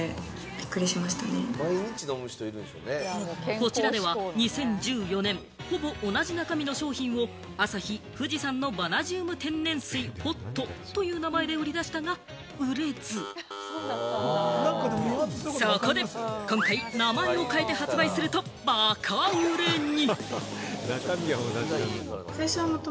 こちらでは２０１４年、ほぼ同じ中身の商品を「アサヒ富士山のバナジウムホット」という名前で売り出したが売れず、そこで今回、名前を変えて発売するとバカ売れに！